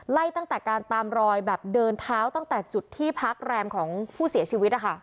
ตั้งแต่การตามรอยแบบเดินเท้าตั้งแต่จุดที่พักแรมของผู้เสียชีวิต